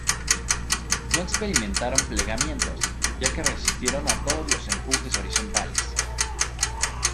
No experimentaron plegamientos, ya que resistieron a todos los empujes horizontales.